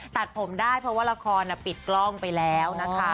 ตัดผมได้เพราะราคอลปิดกล้องไปแล้ว